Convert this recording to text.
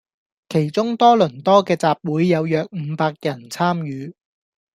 其中多倫多既集會有約伍百人參與